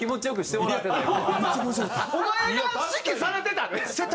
お前が指揮されてたで。